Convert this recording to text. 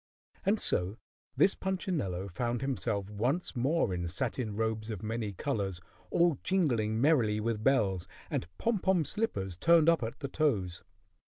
And so this Punchinello found himself once more in satin robes of many colors, all jingling merrily with bells, and pom pom slippers turned up at the toes.